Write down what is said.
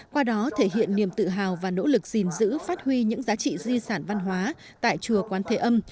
qua đó thể hiện niềm tự hào và nỗ lực gìn giữ phát huy những giá trị di sản văn hóa tại chùa quán thế âm